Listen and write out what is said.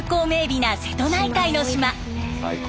美な瀬戸内海の島。